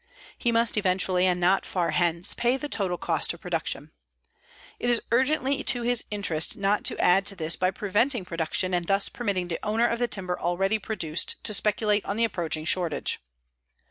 He must eventually, and not far hence, pay the total cost of production. It is urgently to his interest not to add to this by preventing production and thus permitting the owner of the timber already produced to speculate on the approaching shortage.